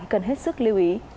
cần hết sức lưu ý